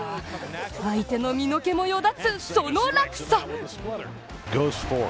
相手の身の毛もよだつ、その落差。